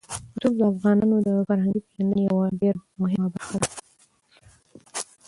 رسوب د افغانانو د فرهنګي پیژندنې یوه ډېره مهمه برخه ده.